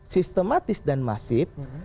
sistematis dan masif